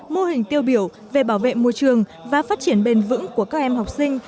mô hình tiêu biểu về bảo vệ môi trường và phát triển bền vững của các em học sinh